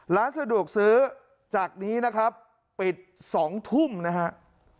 ร้านสะดวกซื้อจากนี้นะครับปิด๒ทุ่มนะครับ